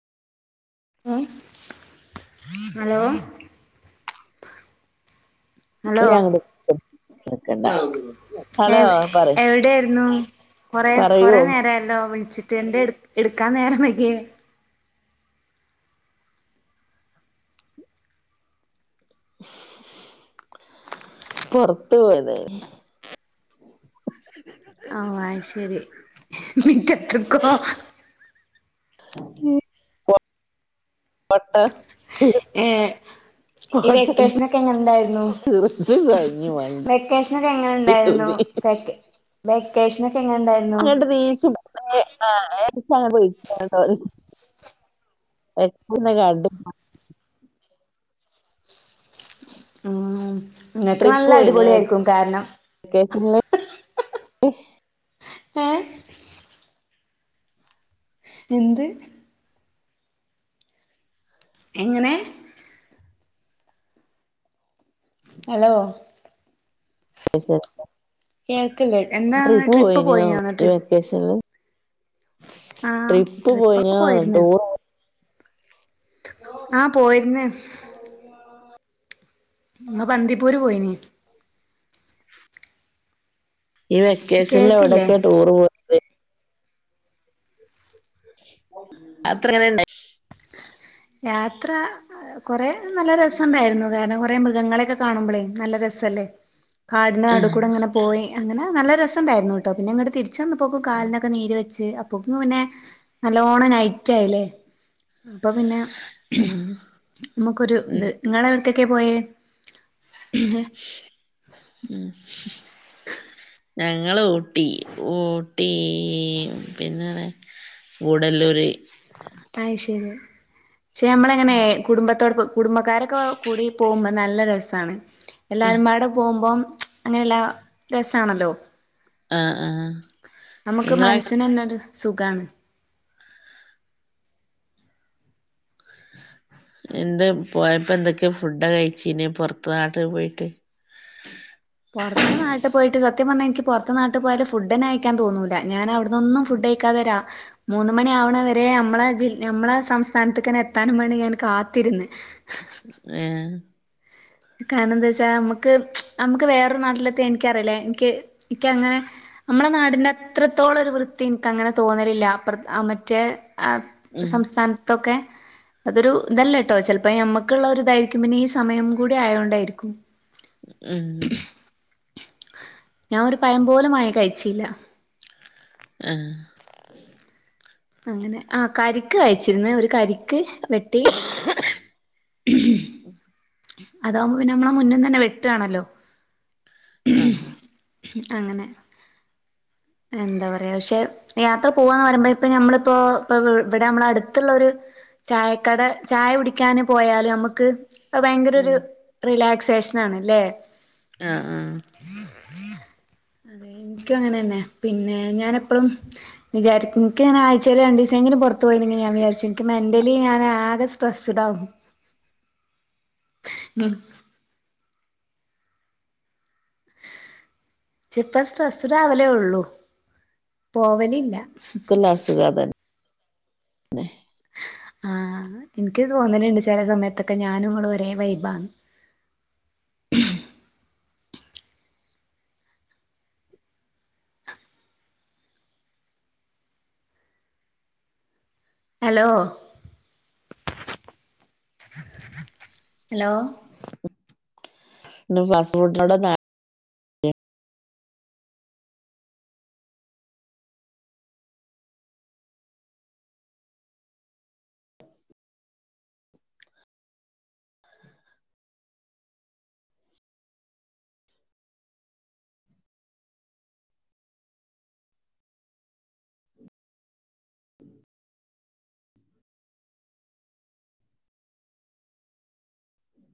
ഹ് hello. Hello ഒരാളോട് ഷ്ടം കൊടുക്കണ്ടാ. എ എവിടെ ആയിരുന്നു കൊറേ പറയൂ കൊറേ നേരായല്ലോ വിളിച്ചിട്ട് എന്തേ എടു ഇട്ക്കാൻ നേരം വൈകിയെ? [inaudible] പൊറത്തു പോയതായിന്. ആഹ് അയ് ശരി മിറ്റത്ത്ക്കോ. [inaudible] വട്ടാ ഏഹ് ഈ വെക്കേഷനൊക്കെ എങ്ങെനണ്ടായിരുന്നു? ചിറച്ചു കഞ്ഞി മണ്ടി വെക്കേഷ്നൊക്കെ എങ്ങനെ ണ്ടായിരുന്നു സെക്ക വെക്കേഷ്നൊക്കേ എങ്ങനെ ണ്ടായിരുന്നു? ഏഹ് ആഹ് ഏഹ് [unintelligible] അങ്ങനെ പോയി [unintelligible] കരിപ്പൂർന്ന് കണ്ട് പൊ ആം. ട്രിപ്പ് പോയിന് വേ വേക്കേഷൽല്? ഏ എന്ത്? എങ്ങനെ? അലോ? [unintelligible] കേൾക്കല്ലേ എന്നാ ട്രിപ്പ് പോയിന്നൊന്ന് ട്രി വേക്കേഷൽല് ആ ട്രിപ്പ് ട്രിപ്പൊക്കെ പോയിനോ ട്ടൂറ് ആഹ്‌ പോയിര്ന്ന്. ബന്തിപ്പൂര് പോയിന്. ഈ വെക്കേഷൻന്ന് കേക്കില്ലേ എവടെക്കെ ടൂറ് പോ അത്രങ്ങനെണ്ടായി യാത്ര കൊറെ നല്ല രസുണ്ടായിരുന്നു കാരണം കുറെ മൃഗങ്ങളെക്കെ കാണുമ്പോളേ നല്ല രസല്ലേ കാടിന്റെ നടു കൂടെങ്ങനെ പോയി അങ്ങനെ നല്ല രസംണ്ടായിരുന്നു കേട്ടോ പിന്നെ ഇങ്ങട്ട് തിരിച്ച വന്നപ്പോക്കും ഉം കാലിനൊക്കെ നീര് വെച്ച് അപ്പോ പിന്നെ നല്ലോണം നൈറ്റായില്ലേ ഉം നമുക്കൊരു ഇത് നിങ്ങളെ എവിടുകൊക്കെ പോയ ഉം ഞങ്ങൾ ഊട്ടി ഊട്ടി പിന്നെടെ ഗൂഡല്ലൂര് അയ് ശരി പക്ഷെ നമ്മള എങ്ങനെ കുടുംബത്തോട് കുടുംബക്കാരൊക്കെ കൂടി പോമ്പ, നല്ല രസാണ് ഉം എല്ലാവരും പാടെ പോകുമ്പോം അങ്ങനല്ലാ രസാണല്ലോ ആഹ് ആഹ് നമുക്ക് നിങ്ങളെ മനസ്സിനെന്നൊരു സുഖാണ് എന്ത് പോയപ്പോ എന്തൊക്കെ ഫുഡാണ് കൈച്ചീനി പുറത്ത നാട്ടി പോയിട്ട് പൊർത്തെ നാട്ട് പോയിട്ട് സത്യം പർഞ്ഞ ഇൻക്ക് പൊർത്ത് നാട്ട് പോയാല് ഫുഡ്ഡന്നെ കഴി ക്കാൻ തോന്നൂല ഞാൻ അവിടുനൊന്നും ഫുഡൈ ക്കാ തരാ മൂന്ന മണി ആവ്ണവരെ നമ്മളെ ജിൽ നമ്മളെ സംസ്ഥാനത്ത്ക്കെന്നെ എത്താനും വേണി ഞാൻ കാത്തിരുന്ന് ഏഹ് കാരണണം എന്താ വെച്ചാ നമ്മുക്ക് നമുക്ക് വേറൊരു നാട്ടില എത്തിയ എനിക്കറിയില്ലേ എനിക്ക് എനിക്ക അങ്ങനെ നമ്മളെ നാടിന്റെ അത്രത്തോളം ഒരു വൃത്തി എനിക്ക് അങ്ങനെ തോന്നലില്ല അ മറ്റേ ആഹ് ഉം സംസ്ഥാൻ താന തൊ ക്കെ അതൊരു ഇതല്ലട്ടോ ചെലപ്പോ ഞമ്മുക്കുള്ളവ ഇതായിരിക്കും പിന്നെ ഈ സമയം കൂടെ ആയൊണ്ടായിരിക്കും ഉം ഞാനൊരു പയം പോലും വാങ്ങി കയിച്ചീല്ല ആഹ് അങ്ങനെ ആഹ് കരിക്കുകഴിച്ചിരുന്നേ ഒരു കരിക്ക് വെട്ടി അതാമ്പോ പിന്നെ നമ്മളാ മുന്നിന്നെന്നെ വെട്ടാണല്ലോ ആഹ് അങ്ങനെ എന്താ പറയാ പക്ഷെ യാത്ര പോവാന്നുപറയുമ്പോ ഇപ്പഞമ്മളിപ്പോ പ്പ മിവിടെ നമ്മുടെയടുത്തുള്ള യൊരു ചായക്കടെ ചായ കുടിക്കാനും പോയാലും നമുക്ക് അതു ഭയങ്കരരു ഉം റിലാക്സേഷനാണല്ലേ ആഹ് ആഹ് എനിക്കുമങ്ങനെന്നെ, പിന്നെ ഞാനെപ്പളും വിചാരിക്കും, എനിക്കു ഇങ്ങനെ ആഴ്‌ച്ചീല് രണ്ടുസങ്കിലും പുറത്തു പോയിരുന്നെങ്കിൽ ഞാൻ വിചാരിച്ചിരിക്കണേ ഇല്ലെങ്കിൽ ഞാനാകെ സ്ട്രെസിഡാകും ഉം ചിലപ്പോ സ്ട്രെസ്സി ഡാവലെയുള്ളൂ പോവലില്ല കുഞ്ഞിനസുഖമാണ് ആഹ് എനിക്കുതോന്നലിൻഡ് ണ്ട് ചിലസമയത്തൊക്കെ ഞാനും നിങ്ങളും ഒരേ വൈബാ ഹലോ, ഹലോ നിങ്ങൾക്കു ഫാസ്റ്റു ഫുഡിനോടാ താൽ